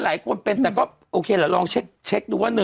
หลายคนเป็นแต่ก็โอเคละลองเช็คดูว่า